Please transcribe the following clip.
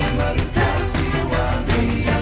yang selalu bersedih